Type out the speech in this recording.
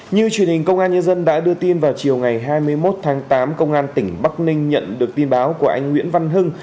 như truyền hình công an nhân dân đã đưa tin vào chiều ngày hai mươi một tháng tám công an tỉnh bắc ninh nhận được tin báo của anh nguyễn văn hưng